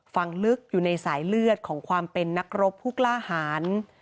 ฝั่งลึกอยู่ในสายเลือดของความเป็นนักรบผู้กล้าหาร